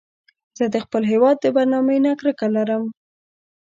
زه د خپل هېواد د بدنامۍ نه کرکه لرم